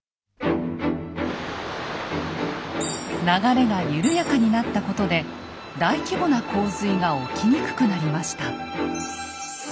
流れが緩やかになったことで大規模な洪水が起きにくくなりました。